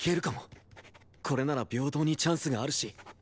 これなら平等にチャンスがあるし。